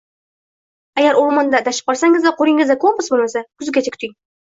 Agar o'rmonda adashib qolsangiz va qo'lingizda kompas bo'lmasa, kuzgacha kuting!